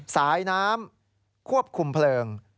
สายน้ำควบคุมเพลิง